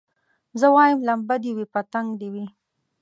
زه وايم لمبه دي وي پتنګ دي وي